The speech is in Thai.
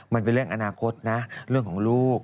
มันเป็นเรื่องอนาคตนะเรื่องของลูก